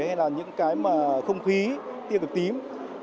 hay là những cái không khí tiêu cực tím